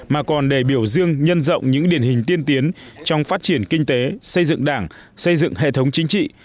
mà còn để biểu dương nhân rộng những điển hình tiên tiến trong phát triển kinh tế xây dựng đảng xây dựng hệ thống chính trị